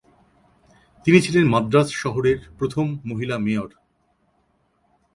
তিনি ছিলেন মাদ্রাজ শহরের প্রথম মহিলা মেয়র।